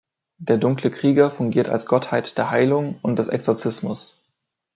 Der Dunkle Krieger fungiert als Gottheit der Heilung und des Exorzismus.